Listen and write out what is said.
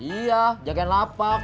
iya jagain lapak